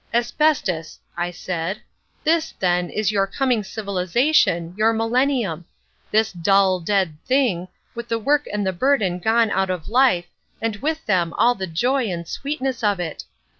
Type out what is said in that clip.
"Asbestos!" I said, "this, then, is your coming Civilisation, your millennium. This dull, dead thing, with the work and the burden gone out of life, and with them all the joy and sweetness of it.